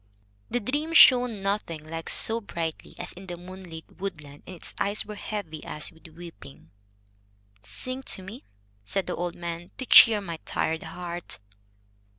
The dream shone nothing like so brightly as in the moonlit woodland, and its eyes were heavy as with weeping. "Sing to me," said the old man, "to cheer my tired heart."